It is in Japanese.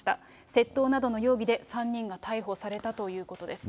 窃盗などの容疑で３人が逮捕されたということです。